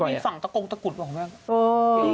หรือเขามีฝั่งตะโก้ตะกุดของเรื่องนี้